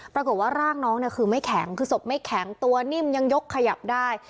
ปรากฏว่าร่างน้องเนี่ยคือไม่แข็งคือศพไม่แข็งตัวนิ่มยังยกขยับได้